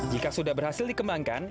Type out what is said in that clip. jika sudah berhasil dikembangkan